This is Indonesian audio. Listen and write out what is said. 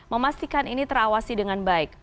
memastikan ini terawasi dengan baik